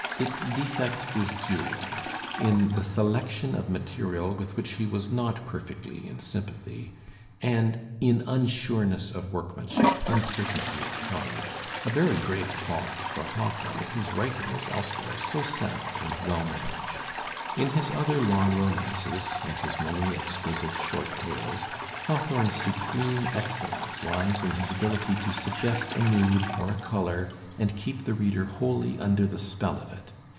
Its defect is dual, in the selection of material with which he was not perfectly in stympathy and in unsureness of workmanship, uncertainty of tone —» a very grave fault for Hawthorne whose writing is elsewhere so sound and well managed. In his other long romances, and his many exquisite short tales, Hawthorne's supreme Digitized by Google 92 THE SPIRIT OF AMERICAN LITERATURE excellence lies in his ability to suggest a mood or a colour and keep the reader wholly under the spell of it.